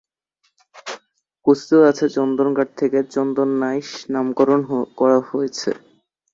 কথিত আছে চন্দন কাঠ থেকে চন্দনাইশ নামকরণ হয়েছে।